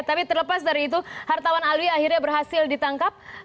tapi terlepas dari itu hartawan alwi akhirnya berhasil ditangkap